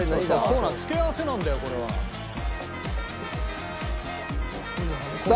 そうなの付け合わせなんだよこれは。さあ。